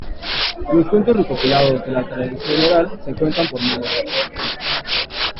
Los cuentos recopilados de la tradición oral se cuentan por miles.